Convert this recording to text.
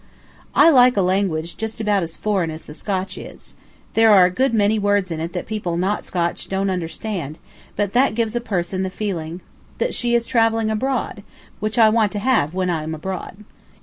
I like a language just about as foreign as the Scotch is. There are a good many words in it that people not Scotch don't understand, but that gives a person the feeling that she is travelling abroad, which I want to have when I am abroad.